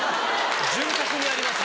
潤沢にあります。